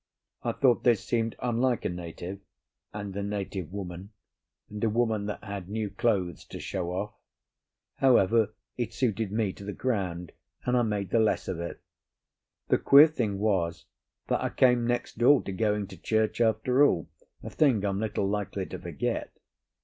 I thought this seemed unlike a native, and a native woman, and a woman that had new clothes to show off; however, it suited me to the ground, and I made the less of it. The queer thing was that I came next door to going to church after all, a thing I'm little likely to forget.